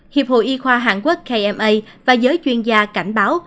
hiệp hội y khoa hàn quốc kma và giới chuyên gia cảnh báo